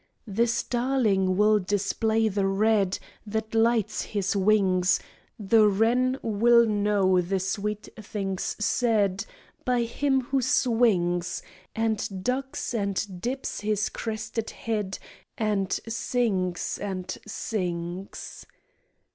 The starling will display the red That lights his wings; The wren will know the sweet things said By him who swings And ducks and dips his crested head And sings and sings.